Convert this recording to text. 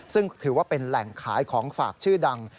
ซึ่งถือว่าเป็นแหล่งขายของฝากชื่อดัง